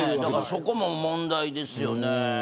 だから、そこも問題ですよね。